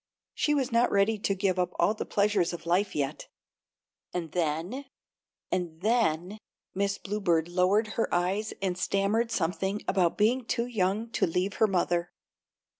She was not ready to give up all the pleasures of life yet, and then and then Miss Bluebird lowered her eyes and stammered something about being too young to leave her mother.